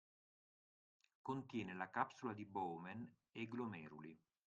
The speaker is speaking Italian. Contiene la capsula di Bowman e glomeruli